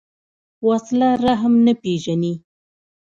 وسله رحم نه پېژني